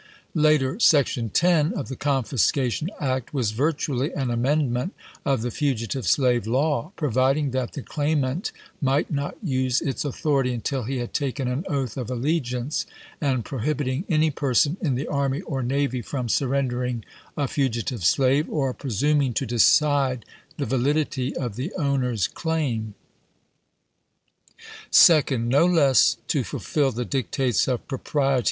Later, Section 10 of the Confiscation Act was virtually an amendment of the fugitive ^pproved slave law ; providing that the claimant might not 1862. ' ^gg j^g authority until he had taken an oath of alle giance, and prohibiting any person in the army or navy from surrendering a fugitive slave, or pre suming to decide the validity of the owner's claim. SIGNS OF THE TIMES 99 Second. No less to fulfil the dictates of propriety chap.